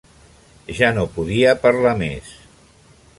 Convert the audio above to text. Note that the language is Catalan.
Ja no podia parlar més.